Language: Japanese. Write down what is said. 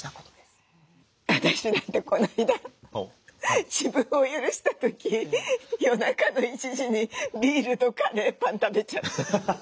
私なんてこの間自分を許した時夜中の１時にビールとカレーパン食べちゃった。